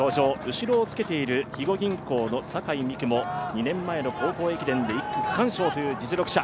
後ろをつけている肥後銀行の酒井美玖も２年前の高校駅伝で１区区間賞という実力者。